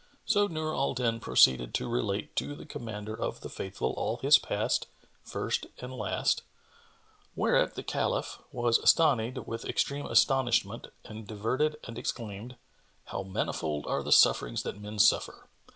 So Nur al Din proceeded to relate to the Commander of the Faithful all his past, first and last; whereat the Caliph was astonied with extreme astonishment and diverted and exclaimed, "How manifold are the sufferings that men suffer!"